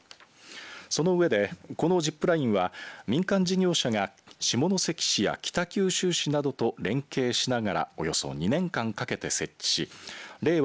そのうえで、このジップラインは年間事業者が下関市や北九州市などと連携しながらおよそ２年間かけて設置し令和